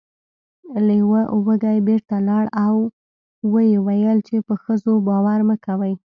لیوه وږی بیرته لاړ او و یې ویل چې په ښځو باور مه کوئ.